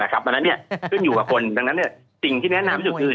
แต่ครับอันนั้นเนี่ยขึ้นอยู่กับคนดังนั้นเนี่ยสิ่งที่แนะนำที่สุดคือ